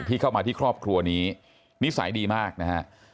ที่เข้ามาที่ครอบครัวนี้นิสัยดีมากนะฮะ